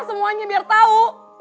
semuanya biar tau